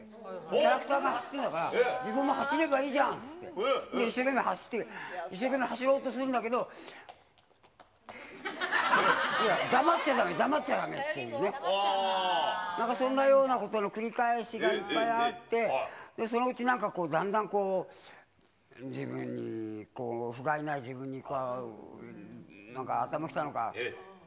キャラクターが走ってるんだから、自分も走ればいいじゃんって言って、一生懸命走って、一生懸命走ろうとするんだけど、黙っちゃだめ、黙っちゃだめって、なんかそんなようなことの繰り返しがいっぱいあって、そのうちなんかこう、だんだんこう、自分に、ふがいない自分になんか頭きたのか。